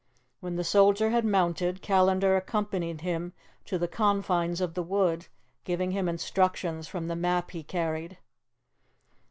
When the soldier had mounted, Callandar accompanied him to the confines of the wood, giving him instructions from the map he carried.